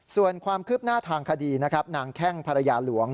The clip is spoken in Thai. ส่วนความคืบหน้าทางคดีนะครับนางแข้งภรรยาหลวง